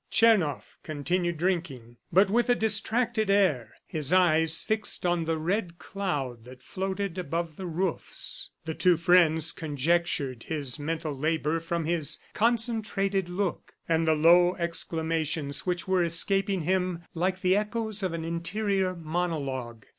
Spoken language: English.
Tchernoff continued drinking, but with a distracted air, his eyes fixed on the red cloud that floated over the roofs. The two friends conjectured his mental labor from his concentrated look, and the low exclamations which were escaping him like the echoes of an interior monologue.